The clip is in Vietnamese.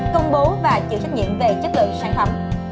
công bố và chịu trách nhiệm về chất lượng sản phẩm